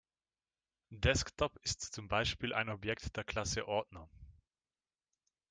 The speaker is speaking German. Desktop ist zum Beispiel ein Objekt der Klasse Ordner.